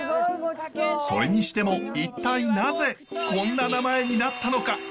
それにしても一体なぜこんな名前になったのか？